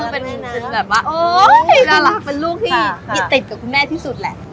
เป็นลูกที่ติดกับคุณแม่ที่สุดแหละ